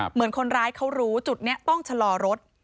เหมือนคนร้ายเขารู้จุดนี้ต้องชะลอรถ